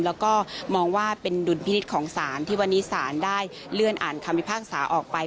แล้วก็มองว่าเป็นดุลพินิษฐ์ของศาลที่วันนี้ศาลได้เลื่อนอ่านคำพิพากษาออกไป